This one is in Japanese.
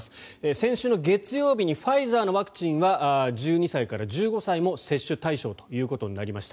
先週の月曜日にファイザーのワクチンは１２歳から１５歳も接種対象となりました。